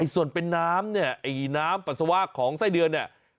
ส่วนเป็นน้ำเนี่ยไอ้น้ำปัสสาวะของไส้เดือนเนี่ย